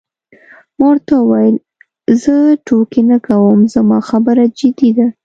ما ورته وویل: زه ټوکې نه کوم، زما خبره جدي ده.